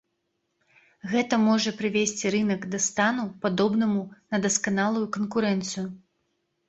Гэта можа прывесці рынак да стану, падобнаму на дасканалую канкурэнцыю.